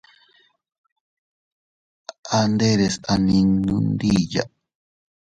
A nderes a ninnu ndiya.